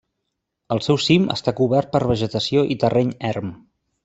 El seu cim està cobert per vegetació i terreny erm.